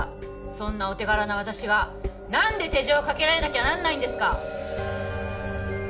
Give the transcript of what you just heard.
そんなお手柄な私が何で手錠をかけられなきゃなんないんですか！